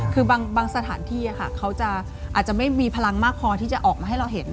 คือบางสถานที่เขาจะอาจจะไม่มีพลังมากพอที่จะออกมาให้เราเห็น